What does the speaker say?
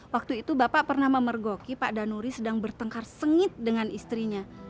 waktu itu bapak pernah memergoki pak danuri sedang bertengkar sengit dengan istrinya